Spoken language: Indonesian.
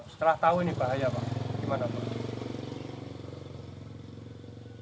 setelah tahu ini bahaya pak gimana bu